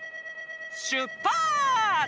しゅっぱつ！